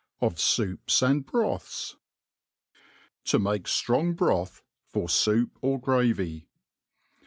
0» SOUPS AND BROTHS< To make Jhrong Broth for Soup or Gravy.